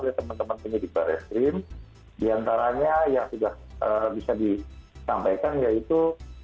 oleh teman teman penyidik barreskrim diantaranya yang sudah bisa disampaikan yaitu